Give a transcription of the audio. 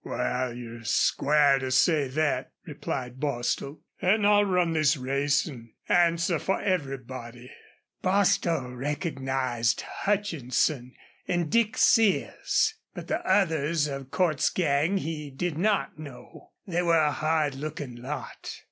"Wal, you're square to say thet," replied Bostil. "An' I'll run this race an' answer for everybody." Bostil recognized Hutchinson and Dick Sears, but the others of Cordts's gang he did not know. They were a hard looking lot.